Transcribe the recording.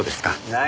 何？